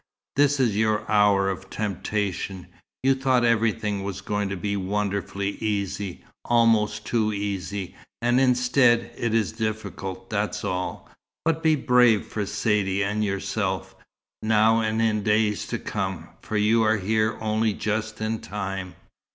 This is your hour of temptation. You thought everything was going to be wonderfully easy, almost too easy, and instead, it is difficult, that's all. But be brave for Saidee and yourself, now and in days to come, for you are here only just in time."